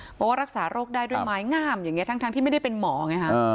เพราะว่ารักษาโรคได้ด้วยไม้งามอย่างนี้ทั้งที่ไม่ได้เป็นหมอไงฮะ